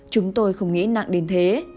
chúng tôi không nghĩ nặng đến thế